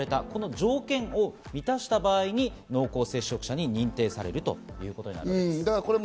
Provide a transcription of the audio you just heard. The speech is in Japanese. この条件を満たした場合に濃厚接触者に認定されるということになります。